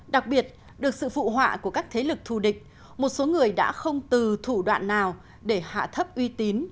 đặc biệt được sự phụ họa của các thế lực thù địch một số người đã không từ thủ đoạn nào để hạ thấp uy tín